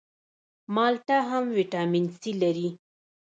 مالټه هم ویټامین سي لري